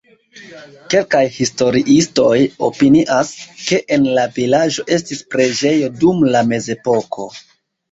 Kelkaj historiistoj opinias, ke en la vilaĝo estis preĝejo dum la mezepoko.